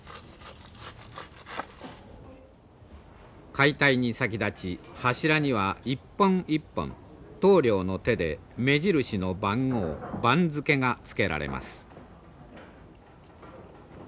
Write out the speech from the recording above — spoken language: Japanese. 解体に先立ち柱には一本一本棟梁の手で目印の番号番付がつけられます。